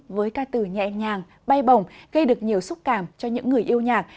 với ca từ nhẹ nhàng bay bồng gây được nhiều xúc cảm cho những người yêu nhạc